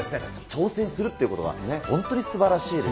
挑戦するっていうことは、本当にすばらしいですね。